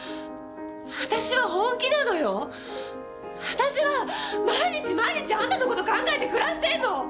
私は毎日毎日あんたの事考えて暮らしてるの！